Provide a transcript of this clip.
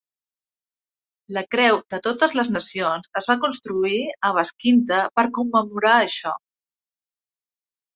La creu de totes les nacions es va construir a Baskinta per commemorar això.